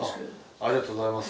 ありがとうございます。